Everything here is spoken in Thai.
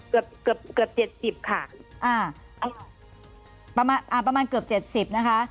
เกือบเกือบเกือบเจ็ดสิบค่ะอ่าประมาณอ่าประมาณเกือบเจ็ดสิบนะคะ